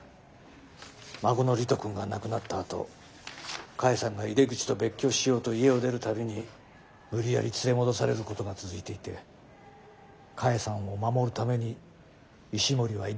孫の理人くんが亡くなったあと菓恵さんが井出口と別居しようと家を出る度に無理やり連れ戻されることが続いていて菓恵さんを守るために石森は井出口を殺したと話してる。